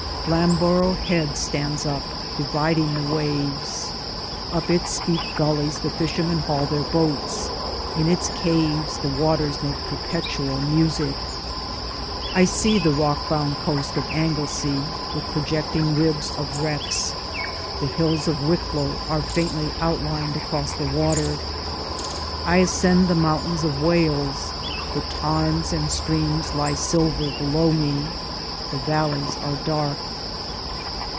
Flamborough Head stands up, dividing the waves. Up its steep gullies the fishermen haul their boats ; in its caves the waters make perpetual music, I see the rockbound coast of Anglesey with projecting ribs of wrecks; the hills of Wicklow are faintly outlined across the water. I ascend the mountains of Wales ; the tarns and streams lie silver below me, the valleys are dark.